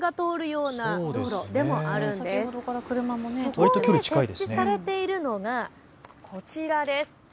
そこで設置されているのがこちらです。